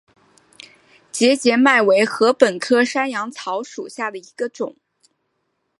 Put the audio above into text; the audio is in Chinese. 节节麦为禾本科山羊草属下的一个种。